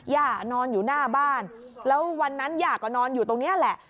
ย่านอนอยู่หน้าบ้านแล้ววันนั้นย่าก็นอนอยู่ตรงนี้แหละ